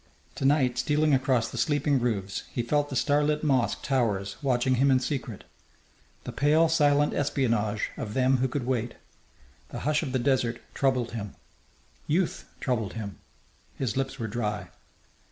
To night, stealing across the sleeping roofs, he felt the star lit mosque towers watching him in secret, the pale, silent espionage of them who could wait. The hush of the desert troubled him. Youth troubled him. His lips were dry.